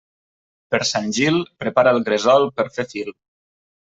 Per Sant Gil, prepara el gresol per fer fil.